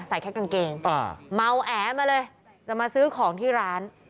แค่กางเกงเมาแอมาเลยจะมาซื้อของที่ร้าน